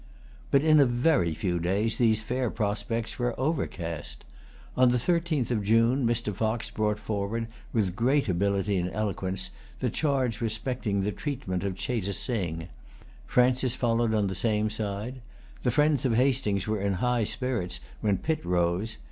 But in a very few days these fair prospects were overcast. On the thirteenth of June, Mr. Fox brought forward, with great ability and eloquence, the charge respecting the treatment of Cheyte Sing. Francis followed on the same side. The friends of Hastings were in high spirits when Pitt rose.